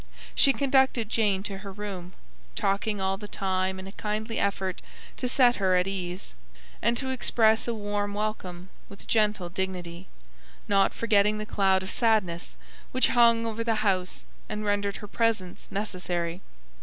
She conducted Jane to her room, talking all the time in a kindly effort to set her at her ease, and to express a warm welcome with gentle dignity, not forgetting the cloud of sadness which hung over the house and rendered her presence necessary.